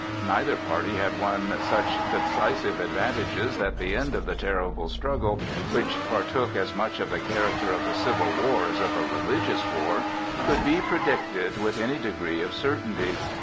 Neither party had won such decisive advantages that the end of the terrible struggle, which partook as much of the character of a civil war as of a religious war, could be predicted with any degree of certainty.